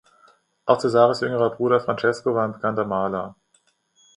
Auch Cesares jüngerer Bruder Francesco war ein bekannter Maler.